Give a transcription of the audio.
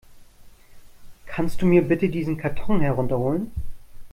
Kannst du mir bitte diesen Karton herunter holen?